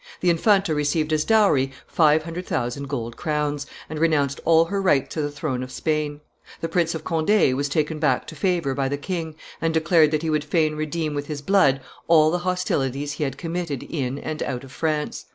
The Infanta received as dowry five hundred thousand gold crowns, and renounced all her rights to the throne of Spain; the Prince of Conde was taken back to favor by the king, and declared that he would fain redeem with his blood all the hostilities he had committed in and out of France.